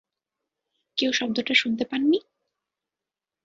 কেউ শব্দটা শুনতে পাননি?